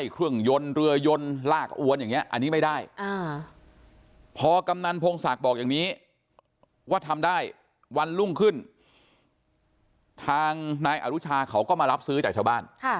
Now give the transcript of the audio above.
คุณศักดิ์บอกอย่างนี้ว่าทำได้วันรุ่งขึ้นทางนายอรุชาเขาก็มารับซื้อจากชาวบ้าน